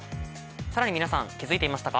さらに皆さん、気付いていましたか。